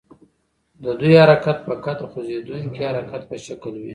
د دوی حرکت فقط د خوځیدونکي حرکت په شکل وي.